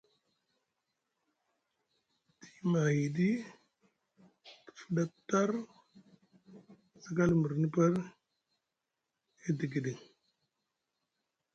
Te yima ahiɗi te fuɗa tar sakal mrini par e digiɗiŋ.